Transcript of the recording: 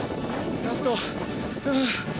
ラスト。